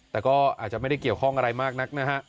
แต่ก็อาจจะไม่ได้เกี่ยวข้องอะไรมากนักนะฮะ